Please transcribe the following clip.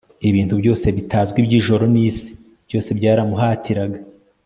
Ibintu byose bitazwi byijoro nisi byose byaramuhatiraga